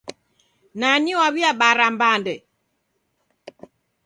Nani waw'iabara mbande?